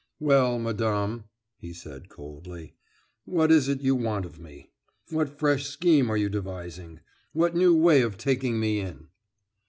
"Well, madame," he said coldly, "what is it you want of me? What fresh scheme are you devising? What new way of taking me in?"